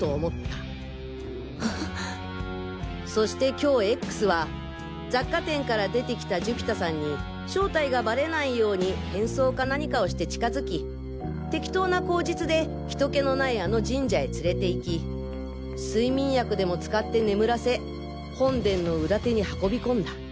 そして今日Ｘは雑貨店から出てきた寿飛太さんに正体がバレないように変装か何かをして近づき適当な口実で人けのないあの神社へ連れていき睡眠薬でも使って眠らせ本殿の裏手に運び込んだ。